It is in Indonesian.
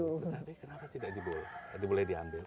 tapi kenapa tidak diboleh diambil